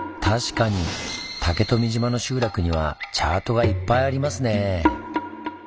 確かに竹富島の集落にはチャートがいっぱいありますね。